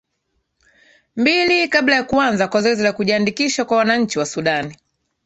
mbili kabla ya kuanza kwa zoezi la kujiandikisha kwa wananchi wa sudan